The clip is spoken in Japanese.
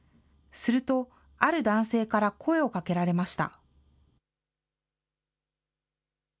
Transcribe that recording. すると、ある男性から声をかけられました。